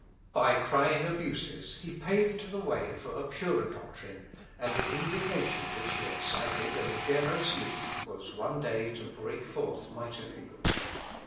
By crying abuses he paved the way for a purer doctrine, and the indignation which he excited in a generous youth was one day to break forth mightily.